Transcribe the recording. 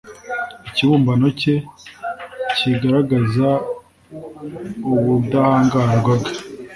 ikibumbano cye cyigaragaza ubudahangarwa bwe